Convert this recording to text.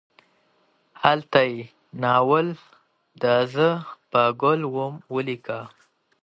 هلته یې ناول دا زه پاګل وم ولیکه.